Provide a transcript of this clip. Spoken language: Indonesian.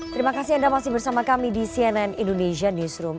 terima kasih anda masih bersama kami di cnn indonesia newsroom